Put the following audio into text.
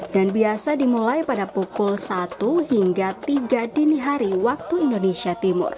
dan biasa dimulai pada pukul satu hingga tiga dini hari waktu indonesia